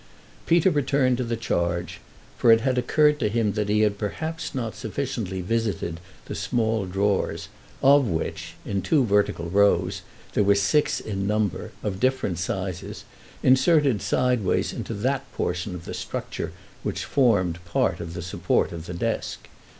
Peter returned to the charge, for it had occurred to him that he had perhaps not sufficiently visited the small drawers, of which, in two vertical rows, there were six in number, of different sizes, inserted sideways into that portion of the structure which formed part of the support of the desk.